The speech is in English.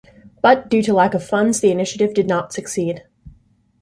But, due to lack of funds, the initiative did not succeed.